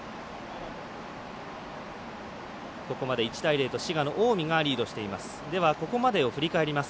ここまで１対０と滋賀の近江がリードしています。